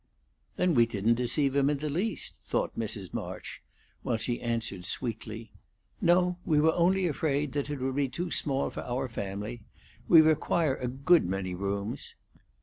"Then we didn't deceive him in the least," thought Mrs. March, while she answered, sweetly: "No; we were only afraid that it would be too small for our family. We require a good many rooms."